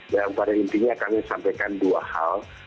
dan pada intinya kami sampaikan dua hal